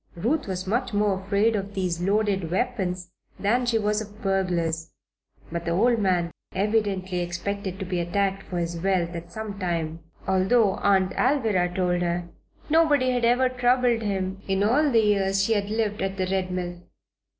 Ruth was much more afraid of these loaded weapons than she was of burglars. But the old man evidently expected to be attacked for his wealth at some time although, Aunt Alvirah told her, nobody had ever troubled him in all the years she had lived at the Red Mill.